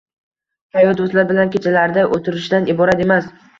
Hayot do‘stlar bilan kechalarda o‘tirishdan iborat emas.